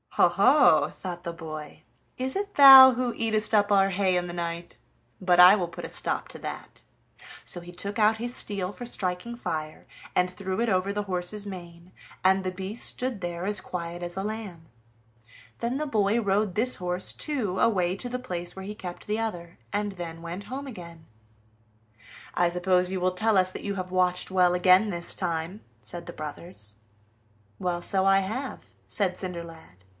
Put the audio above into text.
"Ho, ho!" thought the boy, "is it thou who eatest up our hay in the night? but I will put a stop to that." So he took out his steel for striking fire, and threw it over the horse's mane, and the beast stood there as quiet as a lamb. Then the boy rode this horse, too, away to the place where he kept the other, and then went home again. "I suppose you will tell us that you have watched well again this time," said the brothers. "Well, so I have," said Cinderlad.